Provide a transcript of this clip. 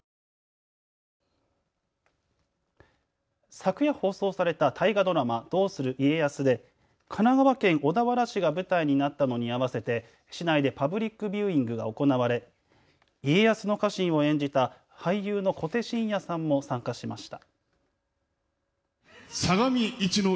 昨夜放送された大河ドラマ、どうする家康で神奈川県小田原市が舞台になったのに合わせて市内でパブリック・ビューイングが行われ家康の家臣を演じた俳優の小手伸也さんも参加しました。